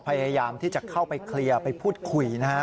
พยายามที่จะเข้าไปเคลียร์ไปพูดคุยนะฮะ